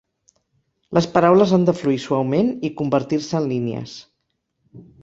Les paraules han de fluir suaument i convertir-se en línies.